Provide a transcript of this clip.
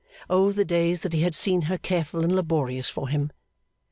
O the days that he had seen her careful and laborious for him!